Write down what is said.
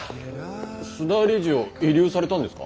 須田理事を慰留されたんですか？